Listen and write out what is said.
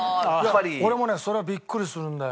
俺もねそれはビックリするんだよね。